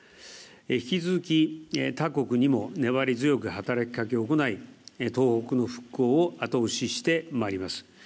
引き続き他国にも粘り強く働きかけを行い東北の復興を後押ししてまいります。